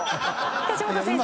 梶本先生。